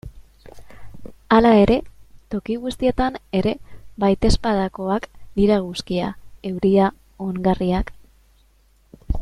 Hala ere, toki guztietan ere baitezpadakoak dira eguzkia, euria, ongarriak...